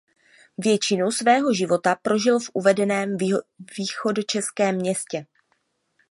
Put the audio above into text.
Většinu svého života prožil v uvedeném východočeském městě.